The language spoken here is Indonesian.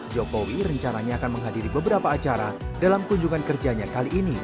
jokowi rencananya akan menghadiri beberapa acara dalam kunjungan kerjanya kali ini